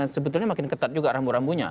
sebetulnya makin ketat juga rambu rambunya